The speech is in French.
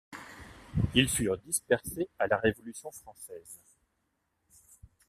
Ils furent dispersés à la Révolution française.